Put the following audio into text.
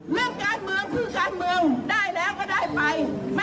เรื่องการเมืองคือการเมืองได้แล้วก็ได้ไป